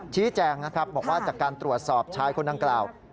ชี้แจงนะครับบอกว่าจากการตรวจสอบชายคนดังกล่าว